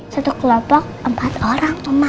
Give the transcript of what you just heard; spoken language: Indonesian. satu kelompok empat orang